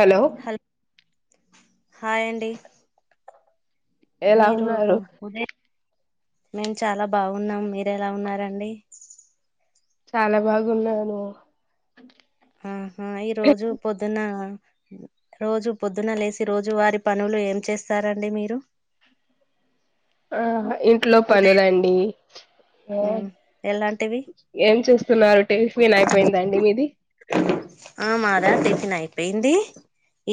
Hello హ hi అండి ఎలా మీరు ఉన్నారు ఉదయం మేము చాలా బాఉన్నాం మీర్ ఎలా ఉన్నారండి చాలా బాగున్నాను ఆహా ఈ రోజు పొద్దున రోజు పొద్దున లేసి రోజు వారి పనులు ఏం చేస్తారండి మీరు? ఆ ఇంట్లో ఉదయం పనులండి మే ఉమ్ ఎలాంటివి ఏం చూస్తున్నారు టిఫిన్ అయిపోయిందండి మీది ఆ మాదా టిఫిన్ అయిపోయింది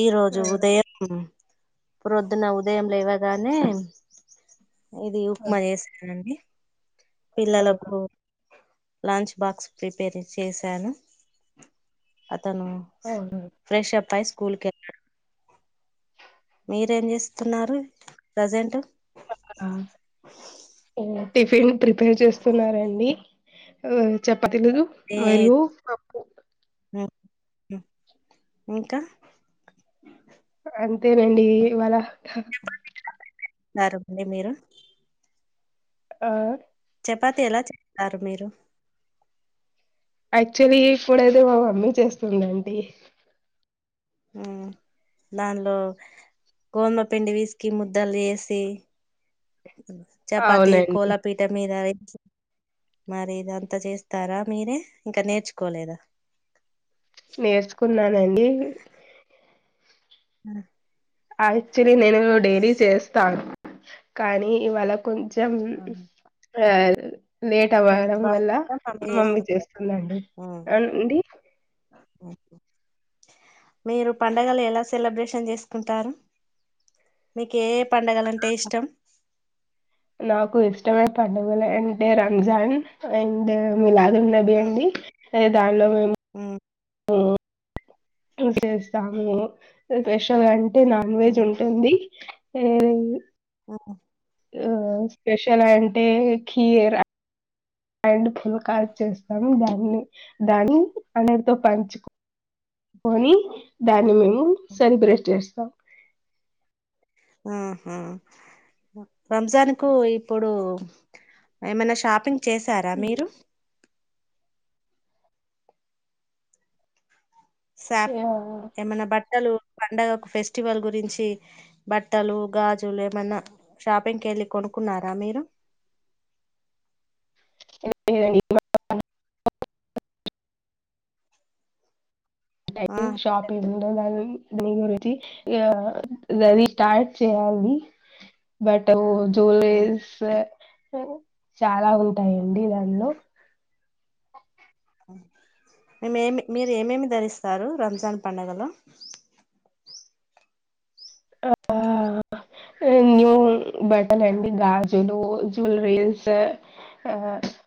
ఈ ఆ రోజు ఉదయం ప్రొద్దున్న ఉదయం లేవగానే ఇది ఉప్మా చేస్తనండి ఆ పిల్లలకూ లంచ్ బాక్స్ ప్రిపేర్ చేశాను తను అవును. ఫ్రెష్ అప్ ఐస్ స్కూల్ కె మీరేం చేస్తున్నారు ప్రజెంట్ ఆ టిఫిన్ ప్రిపేర్ చేస్తున్నారండి చె పతిలు మరియ పప్పు ఇంక అంతేనండి ఇవాళ వస్తారు మీరు అ చపాతి ఎలా చేస్తారు మీరు యాక్చువల్లి ఇప్పుడేదో మా మమ్మీ చేస్తుందండి దానిలో గోమపిండి వేసి కింద ముద్దలు వేసి చపాతి అవునండి కోలాపీీఠ మీద మరి ఇదంతా చేస్తారా మీరే ఇంక నేర్చుకోలేదా నేర్చుకున్నానండి హు హ యాక్చువలీ నేను డైలీ చేస్తాన్ కానీ ఇవాళ కొంచం ఆహా! యా లేట్ హెల్త్ అవ్వడం వల్ల బాగా మమ్మీ చేస్తుంటారు చేస్తుందండి హ్మ్. అవునండి మీరు పండగలు ఎలా సెలబ్రేషన్ చేసుకుంటారు మీ కెఏ నాకు ఇష్టమై పండుగలు అంటె రంజాన్ అండ్ మిలాద్ ఉన్నవి అండి సరె దార్లో ఉమ్ విస్రేస్తాము స్పషల్గా అంటె నాన్ వెజ్ హ్మ్. ఉంటుంది ఏయ్ [unintelligible] ఆ స్పెషల్ అంటే ఖీర్ అండ్ పులకా చేస్తాము దాన్ని దాన్ని అన్నటితో పంచుకొని దాన్ని మేము సెలబ్రేట్ చేస్తాం ఆహా రంజాన్ కు ఇప్పుడు ఏమైన షాపింగ్ చేశార మీరు శాప్ యాహ్! ఏమన్నా బట్టలు పండగ ఒక ఫెస్టివల్ గురించి బట్టలు గాజులు ఏమన్న షాపింగ్కి వెళ్ళి కొనుకున్నార మీరు [inaudible] ఆ [unintelligible] షాపింగ్ అల [inaudible] జ్యూలేర్ షాప్ చాల ఉంటాయంండి దానిలో మేము ఏమి మీరు ఏమేమి ధరిస్తారు రంజాన్ పండగలో ఆ న్యూ బట్టల అండి గాజులు జులరీస్ ఆ